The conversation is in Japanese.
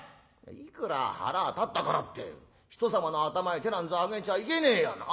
いくら腹立ったからってひとさまの頭へ手なんざ上げちゃいけねえやな。